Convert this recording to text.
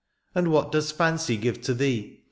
" And what does fancy give to thee